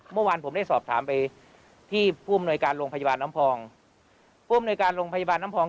เมื่อวานผมได้สอบถามไปที่ผู้อำนวยการโรงพยาบาลน้ำพรอง